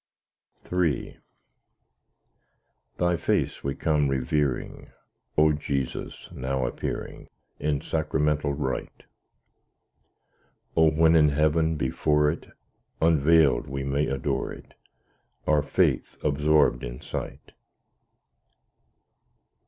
III Thy face we come revering, O Jesus, now appearing In sacramental rite. O when in heaven, before it Unveiled, may we adore it, Our faith absorbed in sight.